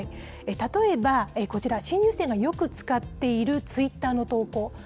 例えばこちら、新入生のよく使っているツイッターの投稿、＃